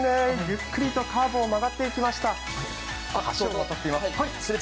ゆっくりとカーブを曲がっていきました。